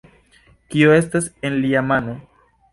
Kio estas en lia mano?